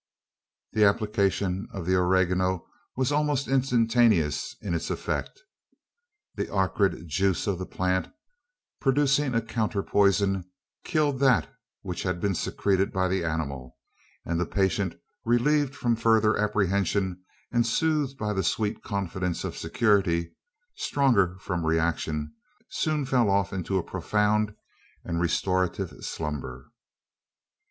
The application of the oregano was almost instantaneous in its effect. The acrid juice of the plant, producing a counter poison, killed that which had been secreted by the animal; and the patient, relieved from further apprehension, and soothed by the sweet confidence of security stronger from reaction soon fell off into a profound and restorative slumber.